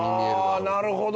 あなるほど。